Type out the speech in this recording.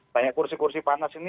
banyak kursi kursi panas ini